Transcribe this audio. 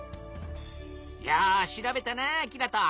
よう調べたなキラト。